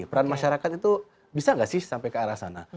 peran masyarakat itu bisa nggak sih sampai ke arah sana